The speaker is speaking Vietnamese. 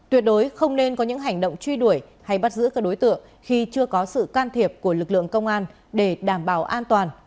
tuyệt đối không nên có những hành động truy đuổi hay bắt giữ các đối tượng khi chưa có sự can thiệp của lực lượng công an để đảm bảo an toàn